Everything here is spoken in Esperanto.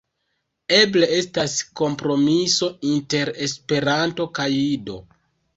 Eble estas kompromiso inter Esperanto kaj Ido.